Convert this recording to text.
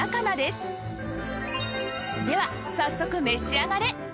では早速召し上がれ！